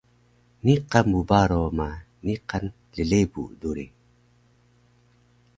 Niqan bbaro ma niqan llebu duri